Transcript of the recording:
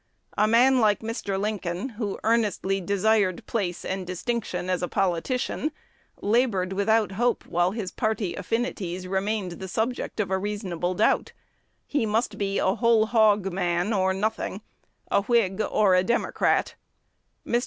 A man like Mr. Lincoln, who earnestly "desired place and distinction as a politician," labored without hope while his party affinities remained the subject of a reasonable doubt. He must be "a whole hog man" or nothing, a Whig or a Democrat. Mr.